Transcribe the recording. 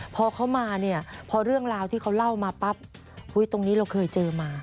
พอเขามาเนี่ยพอเรื่องราวที่เขาเล่ามาปั๊บตรงนี้เราเคยเจอมา